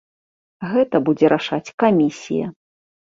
Гэта будзе рашаць камісія.